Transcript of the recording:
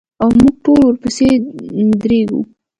او موږ ټول ورپسې درېږو.